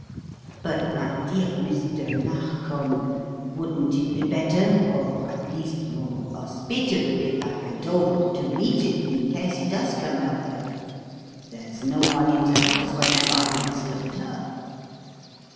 "But, my dear Mr. Narkom, wouldn't it be better, or, at least, more hospitable if I went over to meet him, in case he does come earlier? There's no one in the house, remember, and it's locked up."